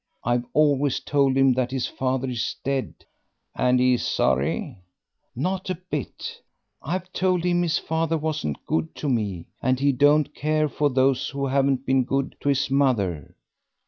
I've always told him that his father is dead." "And is he sorry?" "Not a bit. I've told him his father wasn't good to me; and he don't care for those who haven't been good to his mother."